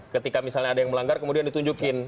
ketika misalnya ada yang melanggar kemudian ditunjukin